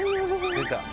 出た。